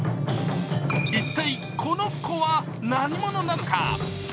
一体、この子は何者なのか？